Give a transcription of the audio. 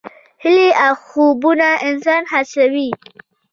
هیلې او خوبونه انسان هڅوي.